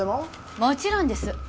もちろんです。